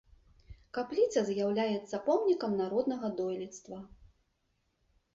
Капліца з'яўляецца помнікам народнага дойлідства.